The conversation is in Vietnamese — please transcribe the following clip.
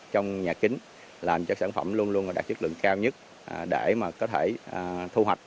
trong nhà kính làm cho sản phẩm luôn luôn đạt chất lượng cao nhất để mà có thể thu hoạch